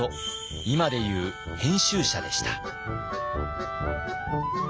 今でいう編集者でした。